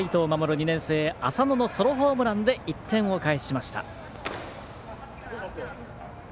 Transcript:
２年生、浅野のソロホームランで１点を返しました。